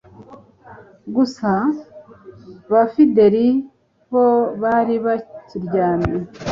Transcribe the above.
gusa ba fidele bo bari bakiryamye